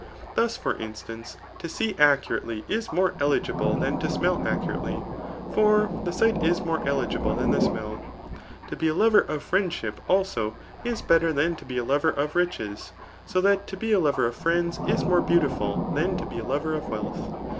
Thus, for instance, to see accurately is more eligible than to smell [accurately] ; for the sight is more eUgible than the smelL To be a lover of friendshq>, also, is better than to be a lover of riches; so that to be a lover of friends is more beautiful than to be a lover of wealth.